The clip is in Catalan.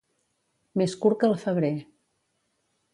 Més curt que el febrer.